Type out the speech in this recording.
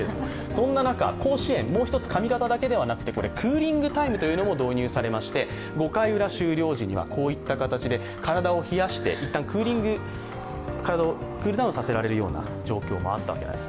そんな中、甲子園、髪形だけではなくてこれクーリングタイムというのも導入されまして、５回ウラ終了時にはこういった形で体を冷やして一旦、体をクールダウンさせられるような状況もあったんです。